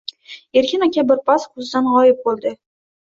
Erkin aka bir pas ko’zdan g’oyib bo’ldi.